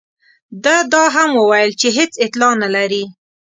ده دا هم وویل چې هېڅ اطلاع نه لري.